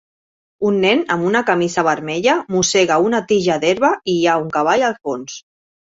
Un nen amb una camisa vermella mossega una tija d'herba i hi ha un cavall al fons